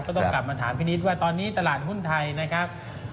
ก็ต้องกลับมาถามพี่นิดว่าตอนนี้ตลาดหุ้นไทยนะครับ